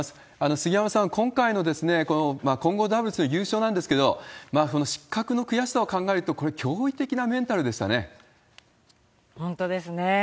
杉山さん、今回の混合ダブルス優勝なんですけど、失格の悔しさを考えると、本当ですね。